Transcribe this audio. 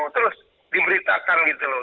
terus diberitakan gitu loh